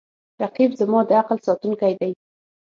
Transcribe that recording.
رقیب زما د عقل ساتونکی دی